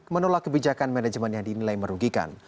menolak kebijakan manajemen yang dinilai merugikan